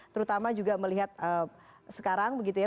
terutama juga melihat sekarang begitu ya